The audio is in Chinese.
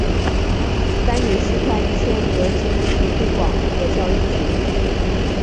三女释宽谦则致力于推广佛教艺术。